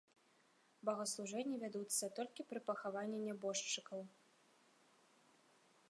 Богаслужэнні вядуцца толькі пры пахаванні нябожчыкаў.